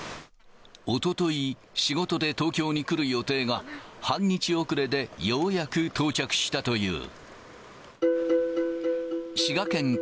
おととい、仕事で東京に来る予定が、半日遅れで、ようやく到着したという。